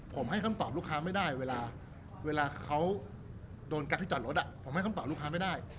ผมให้คำตอบลูกค้าไม่ได้เวลาเขาโดนกักที่จอดรถผมให้คำตอบลูกค้าไม่ได้